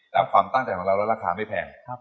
แล้วความตั้งใจของเราแล้วราคาไม่แพง